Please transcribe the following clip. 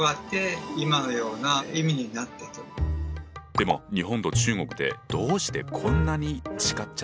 でも日本と中国でどうしてこんなに違っちゃったんだ？